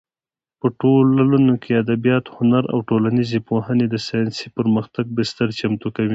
په ټولنو کې ادبیات، هنر او ټولنیزې پوهنې د ساینسي پرمختګ بستر چمتو کوي.